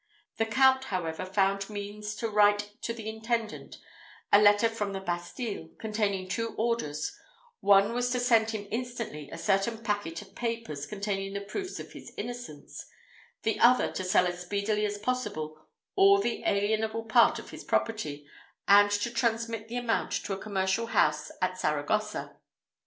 The count, however, found means to write to the intendant a letter from the Bastille, containing two orders: one was to send him instantly a certain packet of papers containing the proofs of his innocence; the other, to sell as speedily as possible all the alienable part of his property, and to transmit the amount to a commercial house at Saragossa.